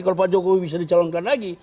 kalau pak jokowi bisa dicalonkan lagi